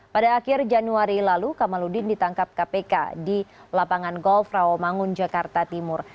pada akhir januari lalu kamaludin ditangkap kpk di lapangan golf rawamangun jakarta timur